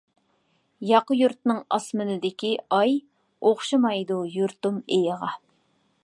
ياقا يۇرتنىڭ ئاسمىنىدىكى ئاي، ئوخشىمايدۇ يۇرتۇم ئېيىغا.